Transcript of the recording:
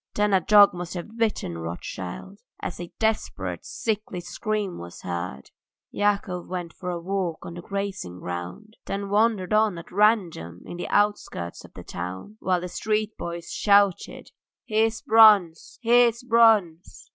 Then a dog must have bitten Rothschild, as a desperate, sickly scream was heard. Yakov went for a walk on the grazing ground, then wandered on at random in the outskirts of the town, while the street boys shouted: "Here's Bronze! Here's Bronze!"